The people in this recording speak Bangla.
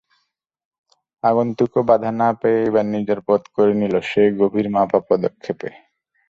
আগন্তুকও বাধা না পেয়ে এবার নিজের পথ করে নিল সেই গভীর মাপা পদক্ষেপে।